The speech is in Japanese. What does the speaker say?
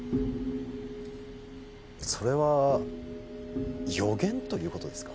それは予言ということですか